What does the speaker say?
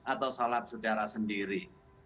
atau sholat secara sendiri